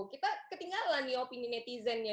kita ketinggalan nih opini netizennya